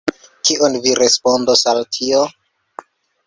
Kion vi respondos al tio?